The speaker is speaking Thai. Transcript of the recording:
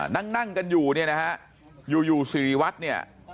นั่งกันอยู่เนี่ยนะฮะอยู่สิริวัดเนี่ย